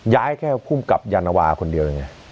ย้ายแค่ภูมิกับยานวาคนเดียวเนี่ย